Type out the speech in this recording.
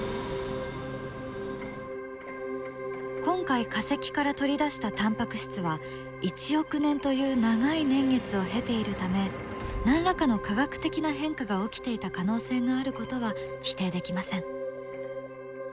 今回化石から取り出したタンパク質は１億年という長い年月を経ているため何らかの化学的な変化が起きていた可能性があることは否定できません。